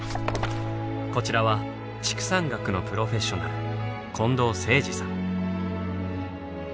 こちらは畜産学のプロフェッショナル近藤誠司さん。